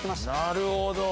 なるほど。